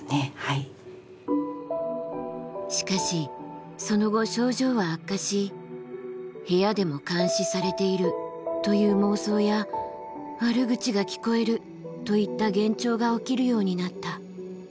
しかしその後症状は悪化し「部屋でも監視されている」という妄想や「悪口が聞こえる」といった幻聴が起きるようになった。